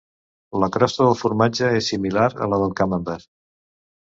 La crosta del formatge és similar a la del camembert.